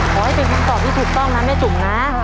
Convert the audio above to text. ขอให้เป็นคำตอบที่ถูกต้องนะแม่จุ๋มนะ